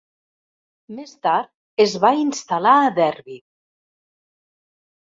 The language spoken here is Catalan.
Més tard es va instal·lar a Derby.